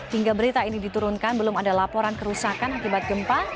hingga berita ini diturunkan belum ada laporan kerusakan akibat gempa